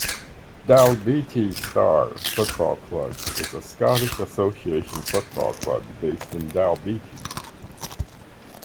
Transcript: Dalbeattie Star Football Club is a Scottish association football club based in Dalbeattie.